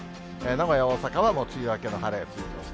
名古屋、大阪はもう梅雨明けの晴れついてます。